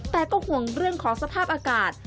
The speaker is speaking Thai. แต่ก็ห่วงเรื่องของสภาพอากาศ